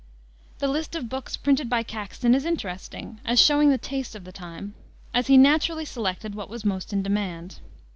The list of books printed by Caxton is interesting, as showing the taste of the time, as he naturally selected what was most in demand.